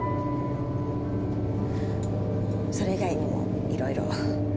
それ以外にもいろいろ。